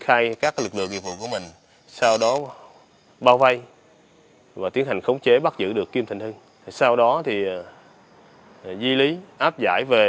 hãy đăng ký kênh để nhận thông tin nhất nhé